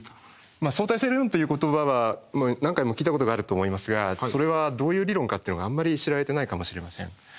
相対性理論という言葉は何回も聞いたことがあると思いますがそれはどういう理論かっていうのがあんまり知られてないかもしれません。